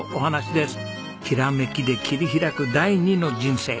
ひらめきで切り開く第二の人生。